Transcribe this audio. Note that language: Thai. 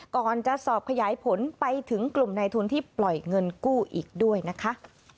ก่อนจะสอบขยายผลไปถึงกลุ่มในทุนที่ปล่อยเงินกู้อีกด้วยนะคะ